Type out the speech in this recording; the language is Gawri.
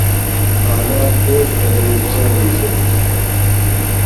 حالات دوس پہ دوس چاجوڛیت